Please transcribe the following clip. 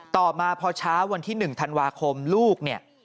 ต่อมาพอเช้าวันที่๑ธันวาคมลูกเนี่ย